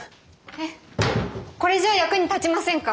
えっこれじゃあ役に立ちませんか？